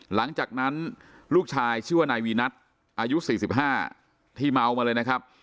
หลังจากนั้นลูกชายชื่อว่านายวีนัทอายุ๔๕ที่เมามาเลยนะครับ